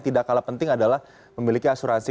tidak kalah penting adalah memiliki asuransi